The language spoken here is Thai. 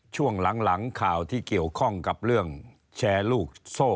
ช่วงหลังข่าวที่เกี่ยวข้องกับเรื่องแชร์ลูกโซ่